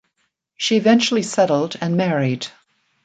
She eventually settled and married.